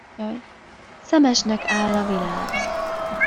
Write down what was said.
Szemesnek áll a világ.